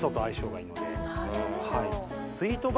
なるほど。